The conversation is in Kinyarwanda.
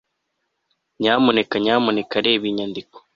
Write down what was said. nyamuneka nyamuneka reba iyi nyandiko